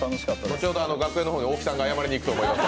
後ほど楽屋の方に大木さんが謝りに行くと思います。